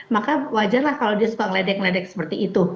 maka wajarlah kalau dia suka ngeledek ngeledek seperti itu